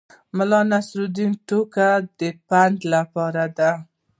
د ملانصرالدین ټوکې د پند لپاره دي.